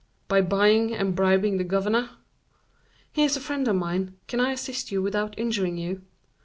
"By buying and bribing the governor." "He is a friend of mine; can I assist you, without injuring you?"